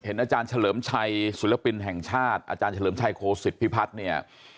อาจารย์เฉลิมชัยศิลปินแห่งชาติอาจารย์เฉลิมชัยโคศิษฐพิพัฒน์เนี่ย